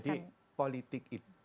pesan kepada rakyat